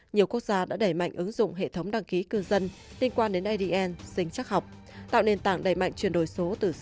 nhiều quốc gia đã đẩy mạnh ứng dụng hệ thống đăng ký cư dân liên quan đến adn xinh chắc học